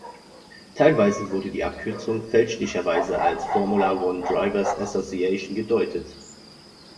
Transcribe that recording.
Teilweise wurde die Abkürzung fälschlicherweise als „Formula One Drivers Association“ gedeutet.